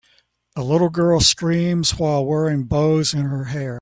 A little girl screams while wearing bows in her hair